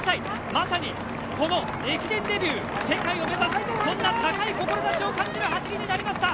まさに駅伝デビューから世界を目指す、そんな高い志を感じる走りになりました。